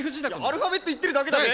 アルファベット言ってるだけだべ。